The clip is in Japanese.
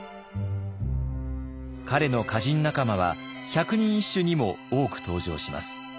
彼の歌人仲間は百人一首にも多く登場します。